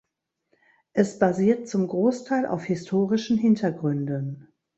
Es basiert zum Großteil auf historischen Hintergründen.